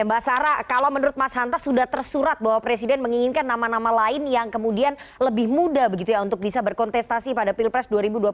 mbak sarah kalau menurut mas hanta sudah tersurat bahwa presiden menginginkan nama nama lain yang kemudian lebih muda begitu ya untuk bisa berkontestasi pada pilpres dua ribu dua puluh